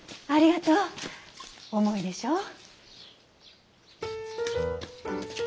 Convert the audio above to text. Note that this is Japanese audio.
ありがとよ。